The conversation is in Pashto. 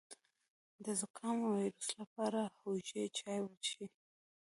د زکام د ویروس لپاره د هوږې چای وڅښئ